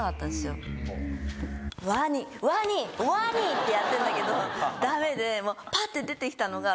って。ってやってんだけどダメでパッて出て来たのが。